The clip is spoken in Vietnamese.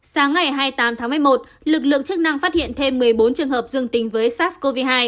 sáng ngày hai mươi tám tháng một mươi một lực lượng chức năng phát hiện thêm một mươi bốn trường hợp dương tính với sars cov hai